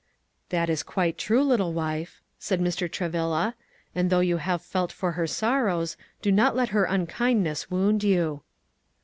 "That is quite true, little wife," said Mr. Travilla; "and though you have felt for her sorrows, do not let her unkindness wound you."